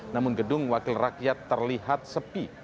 namun gedung wakil rakyat terlihat sepi